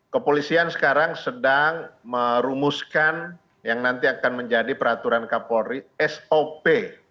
kepolisian sekarang sedang merumuskan yang nanti akan menjadi peraturan kapolri sop